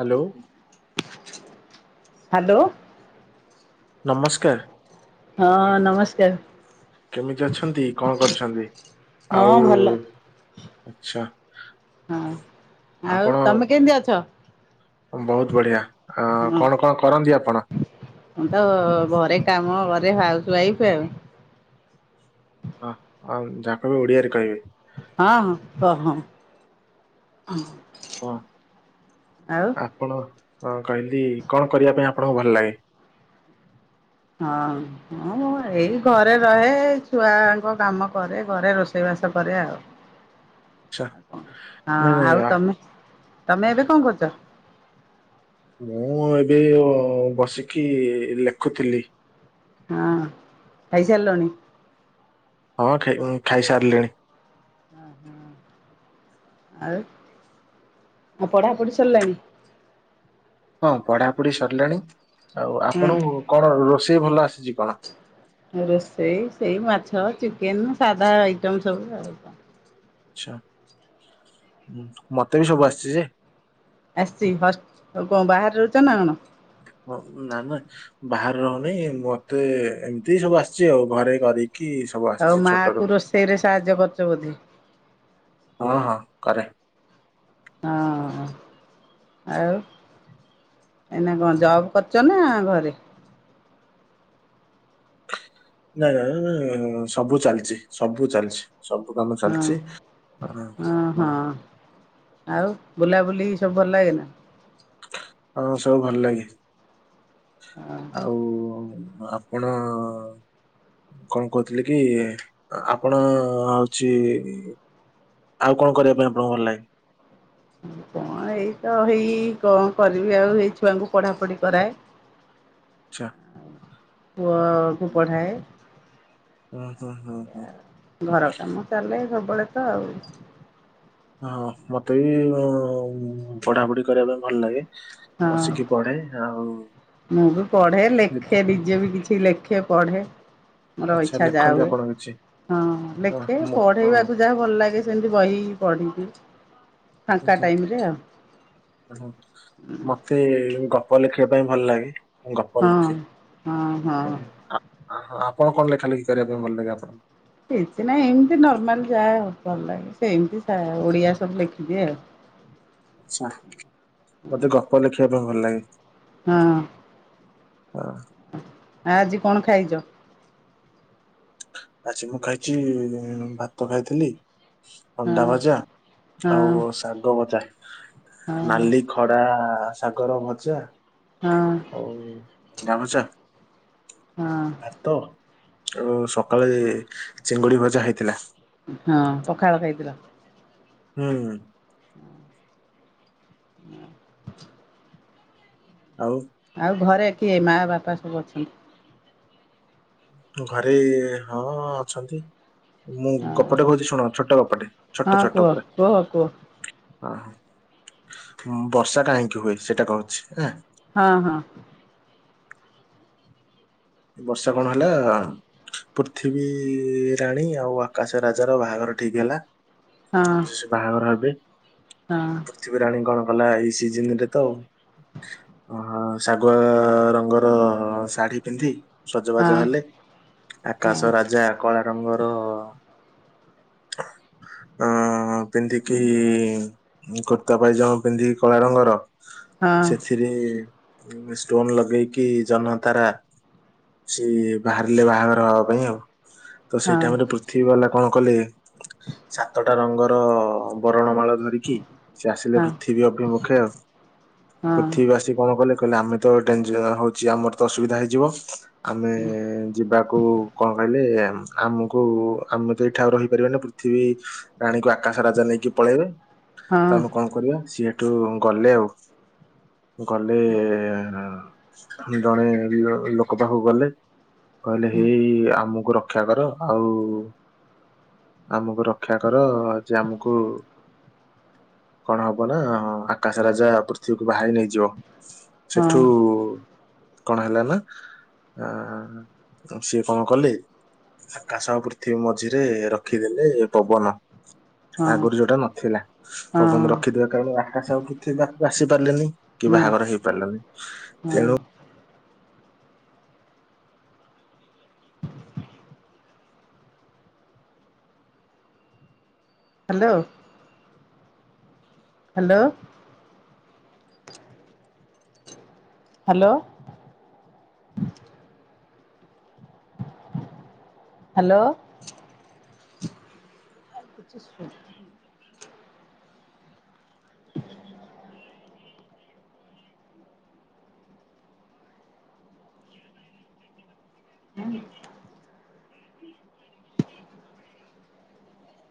Hello. Hello. ନମସ୍କାର। ହଁ ନମସ୍କାର। କେମିତି ଅଛନ୍ତି, କଣ କରିଛନ୍ତି? ହଁ ଆଉ ଭଲ ଆଛା। ହଁ ଆଉ ତମେ କେମିତି ଅଛ? ବହୁତ ବଢିଆ ଅ ହଁ କଣ କଣ କରନ୍ତି ଆପଣ? ମୁଁ ତ ଘରେ କାମ କରେ ହାଉସ ୱାଇଫ ଆଉ। ହ ଯାହା କହିବ ଓଡିଆରେ କହିବେ। ହଁ ହ କ ହଁ। ହଁ ଆଉ ଆପଣ ହଁ କହିଲି କଣ କରିବା ପାଇଁ ଆପଣଙ୍କୁ ଭଲ ଲାଗେ? ହଁ ମୁଁ ଏଇ ଘରେ ରହେ, ଛୁଆଙ୍କ କାମ କରେ, ଘରେ ରୋଷେଇବା ବାସ କରେ ଆଉ। ଆଚ୍ଛା ହଁ ନାଇଁ ନାଇଁ ଆଉ ଆ, ତମେ ତମେ ଏବେ କଣ କରୁଛ? ମୁଁ ଏବେ ବସିକି ଲେଖୁଥିଲି। ହଁ ଖାଇସାରିଲଣି? ହଁ ଖାଇସାରିଲିଣି। ହ ହଁ ଆଉ। ଆଉ ପଢ଼ା ପଢ଼ି ସରିଲାଣି। ହଁ ପଢାପଢି ସରିଲାଣି ଆଉ ଆପଣଙ୍କୁ ହଁ କଣ ରୋଷେଇ ଭଲ ଆସେ? ରୋଷେଇ ସେଇ ମାଛ ଚିକେନ ସାଧା ଆଇଟମ ସବୁ ଆଉ। ଆଛା ମତେ ବି ସବୁ ଆସିଛି ଯେ ଆସିଛି ହସ୍ କଣ ବାହାରେ ରହୁଛ ନା କଣ? ନା ନା ବାହାରେ ରହୁନି ମତେ ଏମିତି ସବୁ ଆସିଛି ଆଉ ଘରେ କରି କି ସବୁ ଆଉ ଆସିଛି ମା ଛୋଟ କୁ ରୁ ରୋଷେଇରେ ସାହାଯ୍ୟ କରୁଛ ବୋଧେ? ହଁ ହଁ। କରେ। ହଁ ଆଉ ଏଇନା କଣ ଜବ କରୁଛ ନା ଘରେ? ନାଇ ନାଇ ସବୁ ଚାଲିଛି ସବୁ ଚାଲିଛି। ସବୁ କାମ ହଁ ଚାଲିଛି ହ ହଁ ହ। ହଁ ଆଉ ବୁଲାବୁଲି ସବୁ ଭଲ ଲାଗେନା। ହଁ ସବୁ ଭଲ ଲାଗେ ହଁ ଆଉ। ଆପଣ ଅ କଣ କହୁଥିଲି କି ଆପଣ ହଉଛି ଆଉ କଣ କରିବା ପାଇଁ ଆପଣଙ୍କୁ ଭଲ ଲାଗେ? କଣ ଏଇ ତ ହେଇ କଣ କରିବି ଆଉ ଏଇ ଛୁଆଙ୍କୁ ପଢ଼ାପଢ଼ି କରାଏ। [inaudible] ଆଚ୍ଛା। ପୁଅକୁ ହୁଁ ପଢ଼ାଏ ହୁଁ ହୁଁ ହୁଁ ଘର କାମ ଚାଲେ ସବୁ ବେଳେ ତ ଆଉ ହଁ ମତେ ବି ପଢ଼ାପଢ଼ି କରିବା ପାଇଁ ଭଲ ଲାଗେ। ହଁ ବସିକି ପଢ଼େ ଆଉ ମୁଁ ବି ପଢ଼େ ଲେଖେ ଲେଖ- ନିଜେ ବି କିଛି ଲେଖେ ପଢ଼େ। ମୋର ଆଚ୍ଛା ଇଚ୍ଛା ଯାହା ଲେଖନ୍ତି ହୁଏ ଆପଣ କିଛି ହଁ ହଁ ଲେଖେ ମୁଁ ହଁ ପଢ଼େଇବାକୁ ଯାହା ଭଲ ଲାଗେ ସେମିତି ବହି ପଢ଼ି କି ଉଁ ହ୍ନୁ ମତେ ଗ ପ ଲେଖିବା ପାଇଁ ଭଲ ଲାଗେ ମୁଁ ଗପ ହଁ ଲେଖେ ହଁ ହଁ। ହଁ ଆପଣ କଣ ଲେଖା ଲେଖି କରିବା ପାଇଁ ଭଲ ଲାଗେ ଆପଣ ଙ୍କୁ? କିଛି ନାଇଁ ଏମିତି ନରମାଲି ଯାଏ ଆଉ ଭଲ ଲାଗେ ସେମିତି ସା ଓଡ଼ିଆ ସବୁ ଲେଖିଦିଏ ଆଉ। [inaudible] ଆଛା ମତେ ଗପ ଲେଖିବା ପାଇଁ ଭଲ ଲାଗେ। ହଁ। ହଁ। ଆଉ ଆଜି କଣ ଖାଇଛ? ଆଜି ମୁଁ ଖାଇଛି ଭାତ ଖାଇଥିଲି ଅଣ୍ଡା ହଁ। ଭଜା ହଁ ଆଉ ଶାଗ ଭଜା ହଁ ନାଲି ଖଡା ଶାଗର ଭଜା ହଁ ଆଉ ଅଣ୍ଡା ଭଜା ହଁ ଭାତ ଆଉ ସ ସକାଳେ ଚିଙ୍ଗୁଡି ଭଜା ହେଇଥିଲା ହଁ ପଖାଳ ଖାଇଥିଲ? ହୁଁ। [inaudible] [inaudible] ଆଉ ଆଉ ଘରେ କିଏ ମା ବାପା ସବୁ ଅଛନ୍ତି? ଘରେ ହଁ ଅଛନ୍ତି ମୁଁ ହଁ। ଗପଟେ କହୁଛି ଶୁଣ ଛୋଟ ଗପଟେ ଛୋଟ ହଁ ଛୋଟ କୁହ ପୁରା କୁହ କୁହ ହଁ। ବର୍ଷା କାହିଁକି ହୁଏ ସେଇଟା କହୁଛି ଆଁ। ହଁ ହଁ। ବର୍ଷ କଣ ହେଲା ପୃଥିବୀ ରାଣୀ ଆଉ ଆକାଶ ରାଜାର ବାହାଘର ଠିକ ହେଲା। ହଁ ଯେ ସେ ବାହାଘର ହେବେ ହଁ। ପୃଥିବୀ ରାଣୀ କଂ ଗଲା ଏଇ ସିଜନ ରେ ତ ଓହ ଶାଗୁଆ ରଙ୍ଗର ଶାଢୀ ପିନ୍ଧି ହଁ ସଜବାଜ ହେଲେ ହଁ ଆକାଶ ରାଜା କଳା ରଙ୍ଗର ଉଂ ପିନ୍ଧିକି କୁର୍ତ୍ତା ପାଇଜମ ପିନ୍ଧିକି କଳା ରଙ୍ଗର ହଁ ସେଥିରେ ଷ୍ଟୋନ ଲଗେଇକି ଜହ୍ନ ତାରା ସିଏ ବାହାରିଲେ ବାହାଘର ହବା ପାଇଁ ଆଉ ତ ସେଇ ହଁ ଟାଇମ ରେ ପୃଥିବୀ ବାଲା କଣ କଲେ ସାତଟା ରଙ୍ଗର ବରଣ ମାଳ ଧରିକି ସେ ଆସିଲେ ହଁ ପୃଥିବୀ ଅଭିମୁଖେ ଆଉ ହଁ। ପୃଥିବୀ ଆସି କଣ କଲେ କହିଲେ ଆମେ ତ ଡେଞଜ ହଉଛି ଆମର ତ ଅସୁବିଧା ହେଇଯିବ ଆମେ ଯିବାକୁ କଣ କହିଲେ ଆମକୁ ଆମେ ତ ଏଇଠା ରହିପାରିବାନି ପୃଥିବୀ ରାଣୀ କୁ ଆକାଶ ରାଜା ନେଇ ନେଇକି ପଳେଇବେ ତ ହଁ ଆମେ କଣ କରିବା ସିଏଠୁ ଗଲେ ଆଉ। ଗଲେ ଜଣେ ଲୋ କ ପାଖକୁ ଗଲେ କହିଲେ ହେଇ ଆମକୁ ରକ୍ଷା କର ଆଉ ଆମକୁ ରକ୍ଷା କର ଯେ ଆମକୁ କଣ ହବ ନା ଆକାଶ ରାଜା ପୃଥିବୀକୁ ବାହାହେଇ ନେଇଯିବ। ସେଠୁ ହଁ କଣ ହେଲା ନା ଆ ସିଏ କଣ କଲେ? ଆକାଶ ପୃଥିବୀ ମଝିରେ ରଖିଦେଲେ ପବନ। ହଁ ଆଗରୁ ଯୋଉଟା ନଥିଲା ହଁ ପବନ ରଖିଥିବା କାରଣ ରୁ ଆକାଶ ଆଉ ପୃଥିବି ପାକୁ ଆସି ପାରିଲେନି। କି ନା ବାହାଘର ହେଇପାରିଲାନି ହଁ ତେଣୁ ହାଲୋ ହାଲୋ ହାଲୋ। ହାଲୋ